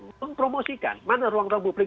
mempromosikan mana ruang ruang publik